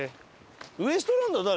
ウエストランドは誰？